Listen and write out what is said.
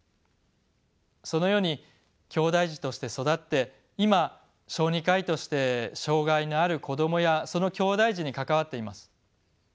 そのようにきょうだい児として育って今小児科医として障がいのある子どもやそのきょうだい児に関わっています。